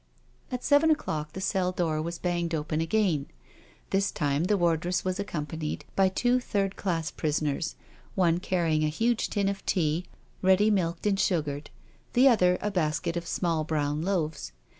At seven o'clock the cell door was banged open again. This time the wardress was accompanied by, two third class prisoners, one carrying a huge tin of tea, ready milked and sugared, the other a basket of small brown loaves.